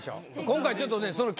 今回ちょっとねその。